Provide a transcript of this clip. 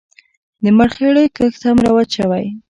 د مرخیړیو کښت هم رواج شوی.